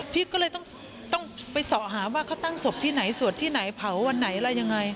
พี่ก็เลยต้องไปสอบหาว่าเขาตั้งศพที่ไหนสวดที่ไหนเผาวันไหนอะไรยังไง